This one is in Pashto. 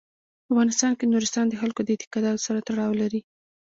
په افغانستان کې نورستان د خلکو د اعتقاداتو سره تړاو لري.